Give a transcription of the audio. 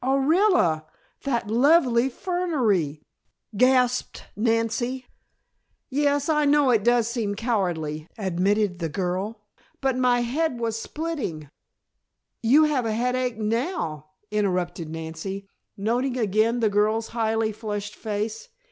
"Orilla! That lovely fernery!" gasped Nancy. "Yes, I know it does seem cowardly," admitted the girl, "but my head was splitting " "You have a headache now," interrupted Nancy, noting again the girl's highly flushed face.